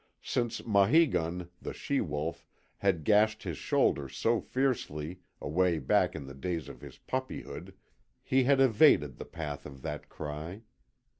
Since Maheegun, the she wolf, had gashed his shoulder so fiercely away back in the days of his puppyhood he had evaded the path of that cry.